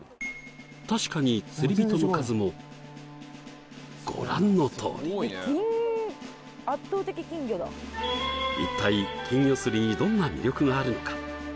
確かに釣り人の数もご覧のとおり一体金魚釣りにどんな魅力があるのか？